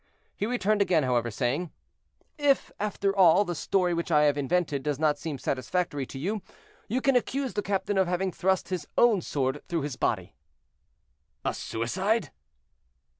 He returned again, however, saying: "If, after all, the story which I have invented does not seem satisfactory to you, you can accuse the captain of having thrust his own sword through his body." "A suicide?"